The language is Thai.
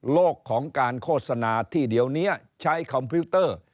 ของการโฆษณาที่เดี๋ยวนี้ใช้คอมพิวเตอร์